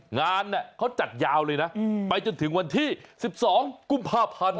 งานเขาจัดยาวเลยนะไปจนถึงวันที่๑๒กุมภาพันธ์